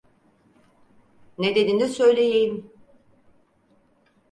Nedenini söyleyeyim.